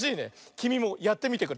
きみもやってみてくれ。